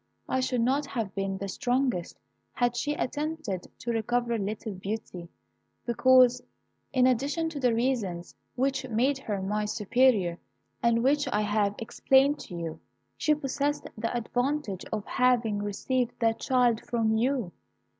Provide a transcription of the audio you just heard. I should not have been the strongest had she attempted to recover little Beauty, because, in addition to the reasons which made her my superior, and which I have explained to you, she possessed the advantage of having received that child from you.